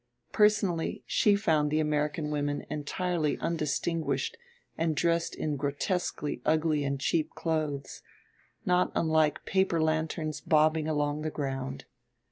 Personally, she found the American women entirely undistinguished and dressed in grotesquely ugly and cheap clothes not unlike paper lanterns bobbing along the ground.